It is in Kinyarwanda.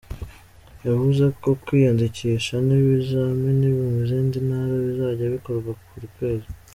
Yavuze ko kwiyandikisha m’ibizamini mu zindi ntara bizajya bikorwa buri kwezi.